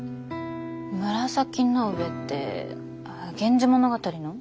紫の上って「源氏物語」の？